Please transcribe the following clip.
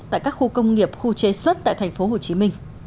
tại các khu công nghiệp khu chế xuất tại tp hcm